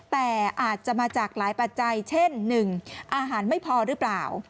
แต่อาจจะมาจากหลายปัจจัยเช่น๑อาหารไม่พอหรือเปล่า